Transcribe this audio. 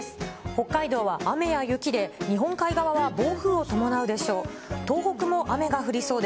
北海道は雨や雪で、日本海側は暴風を伴うでしょう。